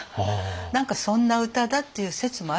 何かそんな歌だっていう説もあるんです。